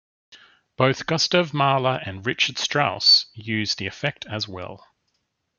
Both Gustav Mahler and Richard Strauss used the effect as well.